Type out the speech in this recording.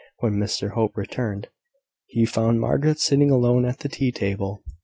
When Mr Hope returned, he found Margaret sitting alone at the tea table.